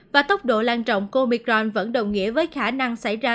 và tốc độ lan trọng của omicron vẫn đồng nghĩa với khả năng xảy ra